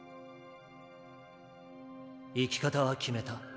生き方は決めた。